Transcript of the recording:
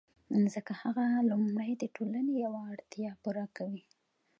ځکه هغه لومړی د ټولنې یوه اړتیا پوره کوي